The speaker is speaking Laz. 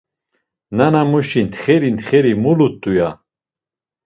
Nanamuşi ntxeri ntxeri mulut̆u, ya.